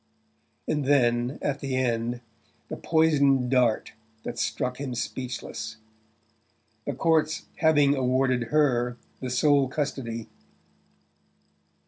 and then, at the end, the poisoned dart that struck him speechless: "The courts having awarded her the sole custody..."